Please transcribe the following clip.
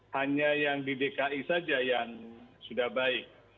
hanya yang di dki saja yang sudah baik